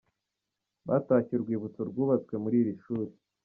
Batashye urwibutso rwubatswe muri iri shuli.